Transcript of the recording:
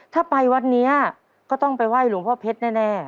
ถ้าไปวัดนี้ก็ต้องไปไหว้หลวงพ่อเพชรแน่